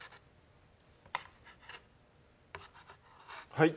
はい